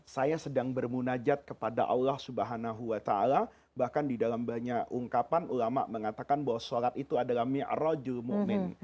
saya sedang bermunajat kepada allah swt bahkan di dalam banyak ungkapan ulama mengatakan bahwa sholat itu adalah mi'rajul mu'min